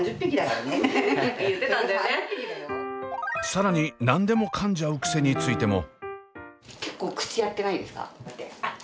更に何でもかんじゃう癖についても。